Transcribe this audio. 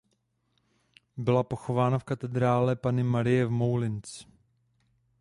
Byla pochována v katedrále Panny Marie v Moulins.